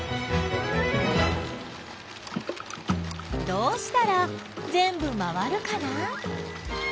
どうしたらぜんぶ回るかな？